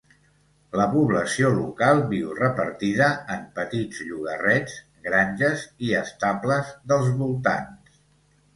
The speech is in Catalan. La població local viu repartida en petits llogarrets, granges i estables dels voltants.